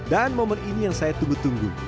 dan momen ini yang saya tunggu tunggu